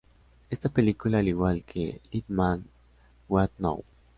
Esta película, al igual que "Little Man, What Now?